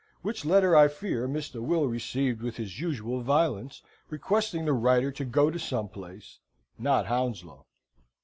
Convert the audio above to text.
Which letter, I fear, Mr. Will received with his usual violence, requesting the writer to go to some place not Hounslow.